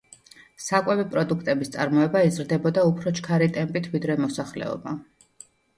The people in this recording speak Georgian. საკვები პროდუქტების წარმოება იზრდებოდა უფრო ჩქარი ტემპებით, ვიდრე მოსახლეობა.